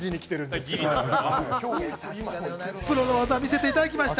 プロの技、見せていただきました。